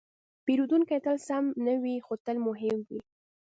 پیرودونکی تل سم نه وي، خو تل مهم وي.